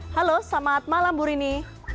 halo selamat malam bu rini